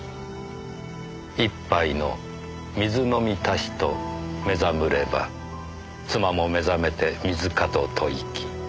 「一杯の水飲みたしと目覚むれば妻も目覚めて水かと問ひき」